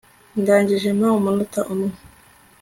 Ndangije Mpa umunota umwe